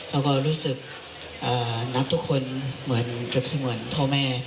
เราก็รู้สึกนับทุกคนเหมือนเกือบสิ่งเหมือนพ่อแม่